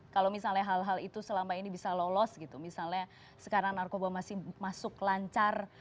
kalau misalnya hal hal itu selama ini bisa lolos gitu misalnya sekarang narkoba masih masuk lancar